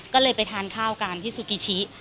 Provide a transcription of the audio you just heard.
ก็เลยไปทานข้าวกันที่ซูกิชิ